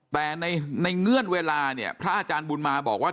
แต่ในเงื่อนเวลาเนี่ยพระอาจารย์บุญมาบอกว่า